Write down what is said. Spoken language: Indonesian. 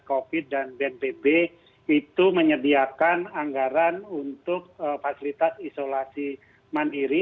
covid dan bnpb itu menyediakan anggaran untuk fasilitas isolasi mandiri